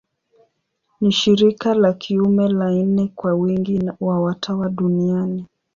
Ni shirika la kiume la nne kwa wingi wa watawa duniani.